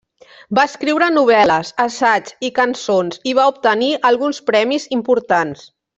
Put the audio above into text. Va escriure novel·les, assaigs i cançons, i va obtenir alguns premis importants.